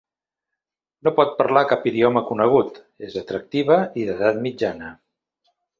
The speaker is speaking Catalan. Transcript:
No pot parlar cap idioma conegut, és atractiva i d'edat mitjana.